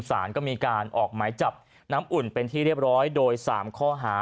สารก็มีการออกหมายจับน้ำอุ่นเป็นที่เรียบร้อยโดย๓ข้อหา